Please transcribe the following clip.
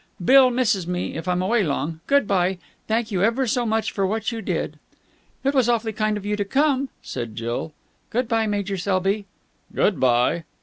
"Bill misses me if I'm away long. Good bye. Thank you ever so much for what you did." "It was awfully kind of you to come round," said Jill. "Good bye, Major Selby." "Good bye."